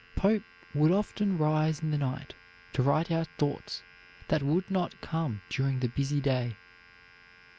Pope would often rise in the night to write out thoughts that would not come during the busy day.